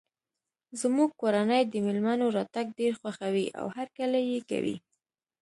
زموږ کورنۍ د مېلمنو راتګ ډیر خوښوي او هرکلی یی کوي